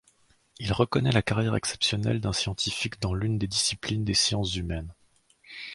Il reconnaît la carrière exceptionnelle d'un scientifique dans l'une des disciplines des sciences humaines.